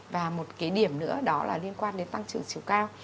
và một cái điểm nữa đó là liên quan đến tăng trưởng chiều cao